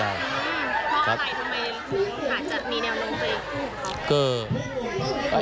เพราะอะไรทำไมอาจจะมีแนวลงไป